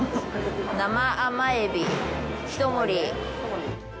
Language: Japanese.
生甘エビ、ひと盛り。